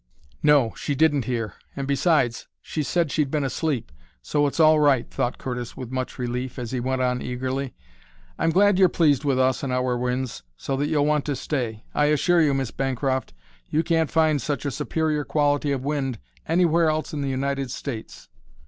"No; she didn't hear, and, besides, she said she'd been asleep, so it's all right," thought Curtis with much relief, as he went on eagerly: "I'm glad you're pleased with us and our winds, so that you'll want to stay. I assure you, Miss Bancroft, you can't find such a superior quality of wind anywhere else in the United States."